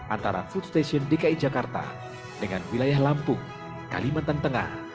antara food station dki jakarta dengan wilayah lampung kalimantan tengah